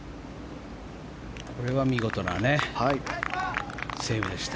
これは見事なセーブでした。